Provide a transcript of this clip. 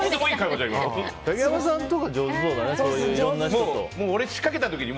竹山さんとか上手そうだね。